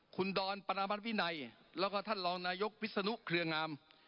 คุณดอนปรมัติวินัยแล้วก็ท่านรองนายกวิศนุเครืองาม